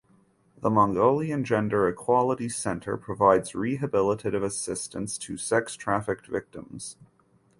The Mongolian Gender Equality Center provides rehabilitative assistance to sex trafficked victims.